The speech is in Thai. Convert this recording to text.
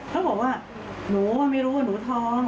เขาบอกว่าหนูไม่รู้ว่าหนูท้อง